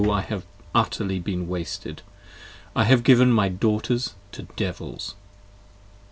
I have utterly been wasted: I have given my daughters to devils.